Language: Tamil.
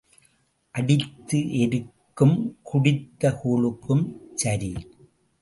அடித்த எருக்கும் குடித்த கூழுக்கும் சரி.